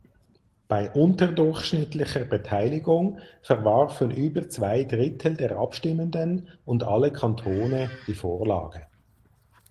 Bei unterdurchschnittlicher Beteiligung verwarfen über zwei Drittel der Abstimmenden und alle Kantone die Vorlage.